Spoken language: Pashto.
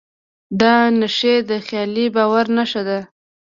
دا نښې د خیالي باور نښه ده.